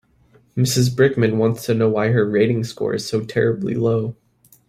Mrs Brickman wants to know why her rating score is so terribly low.